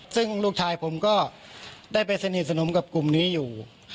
ซึ่งลูกชายผมก็ได้ไปสนิทสนมกับกลุ่มนี้อยู่